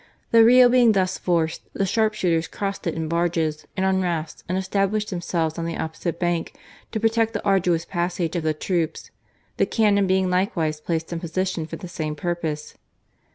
The Rio being thus forced, the sharpshooters crossed it in barges and on rafts and established themselves on the opposite bank to protect the arduous passage of the troops, the cannon being likewise placed in position for the same purpose.